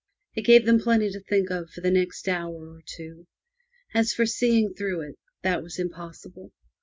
It gave them plenty to think of for the next hour or two. As for seeing through it, that was impossible.